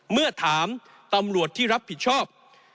เมื่อถามตำรวจที่รับผิดชอบ